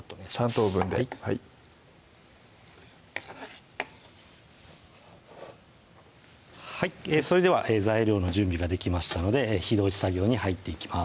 ３等分ではいそれでは材料の準備ができましたので火通し作業に入っていきます